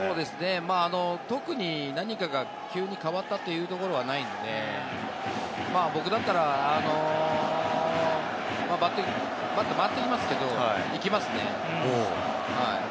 特に何かが急に変わったというところはないんで、僕だったらバット回っていますけれども行きますね。